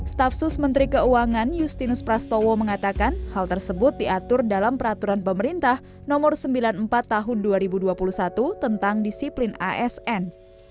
staf sus menteri keuangan justinus prastowo mengatakan hal tersebut diatur dalam peraturan pemerintah nomor sembilan puluh empat tahun dua ribu dua puluh satu tentang disiplin asn